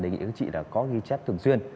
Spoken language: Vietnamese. đề nghị các chị có ghi chép thường xuyên